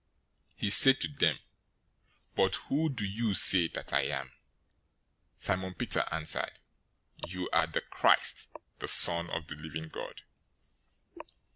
016:015 He said to them, "But who do you say that I am?" 016:016 Simon Peter answered, "You are the Christ, the Son of the living God."